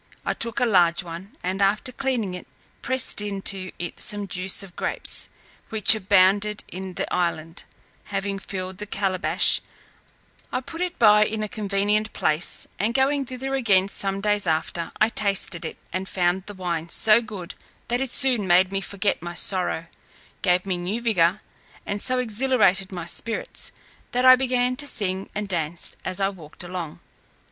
I took a large one, and after cleaning it, pressed into it some juice of grapes, which abounded in the island; having filled the calebash, I put it by in a convenient place, and going thither again some days after, I tasted it, and found the wine so good, that it soon made me forget my sorrow, gave me new vigour, and so exhilarated my spirits, that I began to sing and dance as I walked along.